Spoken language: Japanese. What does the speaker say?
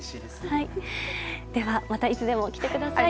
ではまたいつでも来てください。